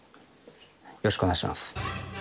よろしくお願いします。